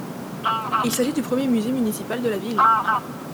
Il s'agit du premier musée municipal de la ville.